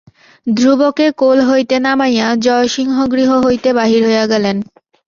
ধ্রুবকে কোল হইতে নামাইয়া জয়সিংহ গৃহ হইতে বাহির হইয়া গেলেন।